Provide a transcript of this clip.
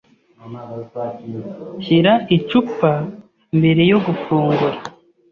Shyira icupa mbere yo gufungura.